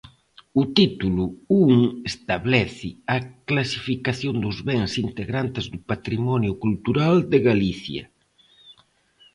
O título un establece a clasificación dos bens integrantes do patrimonio cultural de Galicia.